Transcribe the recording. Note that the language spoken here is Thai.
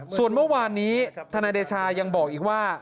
ส่วนเมื่อวานนี้ธนายเดชายังบอกอีกว่า